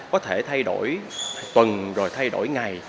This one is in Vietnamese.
có thể thay đổi tuần rồi thay đổi ngày